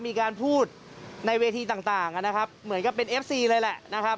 มีการพูดในเวทีต่างนะครับเหมือนกับเป็นเอฟซีเลยแหละนะครับ